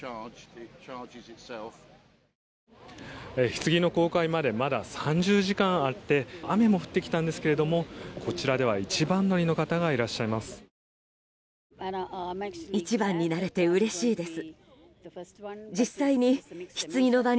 ひつぎの公開までまだ３０時間あって雨も降ってきたんですけどこちらでは、一番乗りの方がいらっしゃいます。